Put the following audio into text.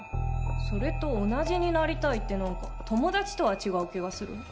それと同じになりたいって何か友達とは違う気がする。